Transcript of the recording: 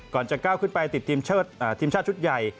จะก้าวขึ้นไปติดทีมชาติชุดใหญ่